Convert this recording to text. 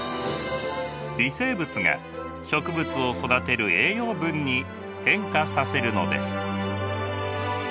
微生物が植物を育てる栄養分に変化させるのです。